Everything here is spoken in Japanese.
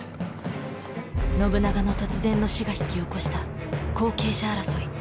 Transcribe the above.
信長の突然の死が引き起こした後継者争い。